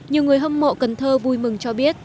nhiều người hâm mộ cần thơ vui mừng cho biết